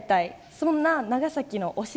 そんな長崎の推し